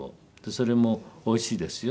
それもおいしいですよ。